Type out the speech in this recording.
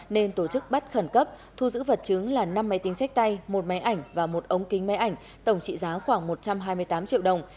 nên tổ chức bắt khẩn cấp thu giữ vật chứng là năm máy tính sách tay một máy ảnh và một ống kính máy ảnh tổng trị giá khoảng một trăm hai mươi tám triệu đồng